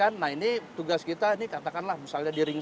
nah ini tugas kita katakanlah misalnya di ring satu